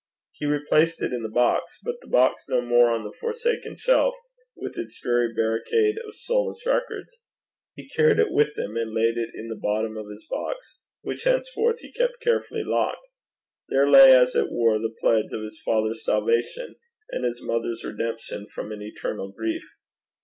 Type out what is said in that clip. He replaced it in the box, but the box no more on the forsaken shelf with its dreary barricade of soulless records. He carried it with him, and laid it in the bottom of his box, which henceforth he kept carefully locked: there lay as it were the pledge of his father's salvation, and his mother's redemption from an eternal grief.